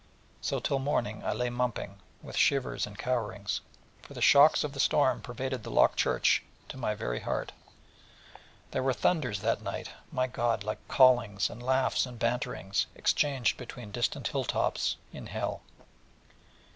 So till next morning I lay mumping, with shivers and cowerings: for the shocks of the storm pervaded the locked church to my very heart; and there were thunders that night, my God, like callings and laughs and banterings, exchanged between distant hill tops in Hell.